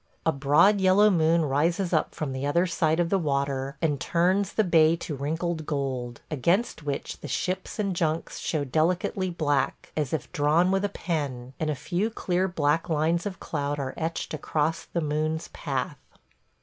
A broad yellow moon rises up from the other side of the water and turns the bay to wrinkled gold, against which the ships and junks show delicately black, as if drawn with a pen; and a few clear black lines of cloud are etched across the moon's path.